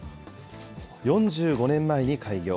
４５年前に開業。